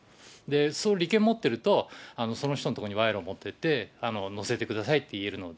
その利権持ってると、その人のところに賄賂を持ってって、乗せてくださいって言えるので。